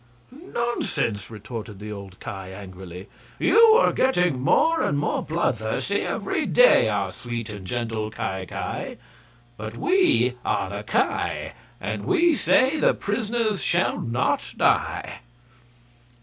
"Nonsense!" retorted the old Ki, angrily. "You are getting more and more bloodthirsty every day, our sweet and gentle Ki Ki! But we are the Ki and we say the prisoners shall not die!"